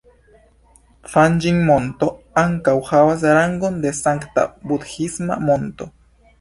Fanĝing-Monto ankaŭ havas rangon de sankta budhisma monto.